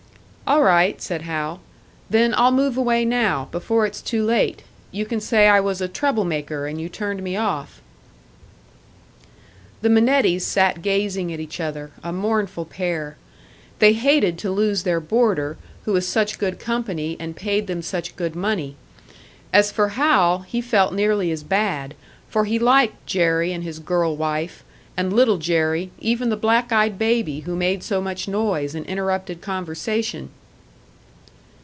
"All right," said Hal. "Then I'll move away now, before it's too late. You can say I was a trouble maker, and you turned me off." The Minettis sat gazing at each other a mournful pair. They hated to lose their boarder, who was such good company, and paid them such good money. As for Hal, he felt nearly as bad, for he liked Jerry and his girl wife, and Little Jerry even the black eyed baby, who made so much noise and interrupted conversation!